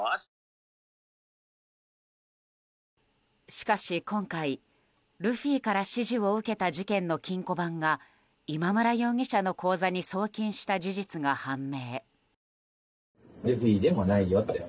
しかし今回、ルフィから指示を受けた事件の金庫番が今村容疑者の口座に送金した事実が判明。